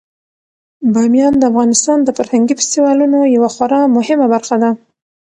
بامیان د افغانستان د فرهنګي فستیوالونو یوه خورا مهمه برخه ده.